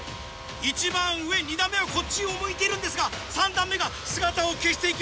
１番上２段目はこっちを向いているんですが３段目が姿を消していきます。